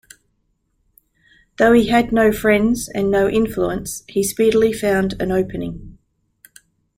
Though he had no friends and no influence, he speedily found an opening.